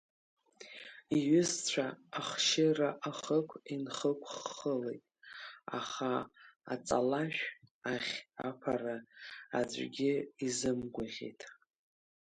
Иҩызцәа ахшьыра ахықә инхықәххылеит, аха аҵалашә ахь аԥара аӡәгьы изымгәаӷьит.